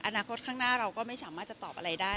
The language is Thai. อนาคตข้างหน้าเราก็ไม่สามารถจะตอบอะไรได้